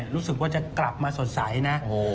รู้สึกว่าจะกลับมาสดใสนะ